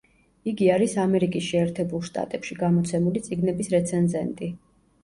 იგი არის ამერიკის შეერთებულ შტატებში გამოცემული წიგნების რეცენზენტი.